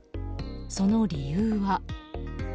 その理由は？